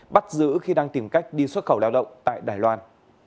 bắt giữ khi đang tìm cách đi xuất khẩu lao động tại đài loan